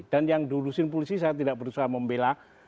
dan yang dudusin polisi saya tidak berusaha membela